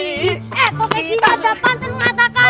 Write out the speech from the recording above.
eh kokek kita ada pantun mengatakan